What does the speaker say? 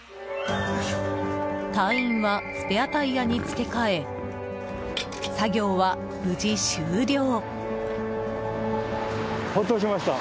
隊員は、スペアタイヤに付け替え作業は無事終了。